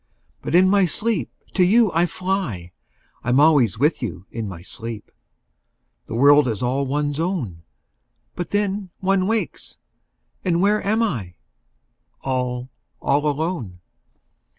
5 But in my sleep to you I fly: I'm always with you in my sleep! The world is all one's own. But then one wakes, and where am I? All, all alone.